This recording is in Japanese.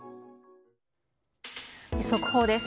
速報です。